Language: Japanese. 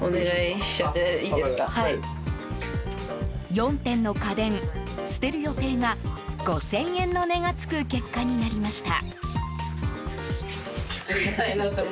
４点の家電、捨てる予定が５０００円の値がつく結果になりました。